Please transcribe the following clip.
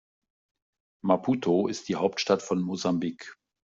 Maputo ist die Hauptstadt von Mosambik.